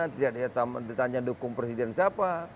tidak ditanya dukung presiden siapa